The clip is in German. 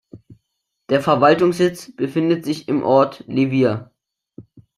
Der Verwaltungssitz befindet sich im Ort Levier.